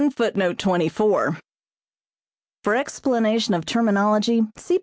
[Footnote 24: For explanation of terminology, see p.